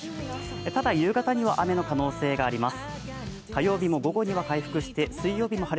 ただ、夕方には雨の可能性があります。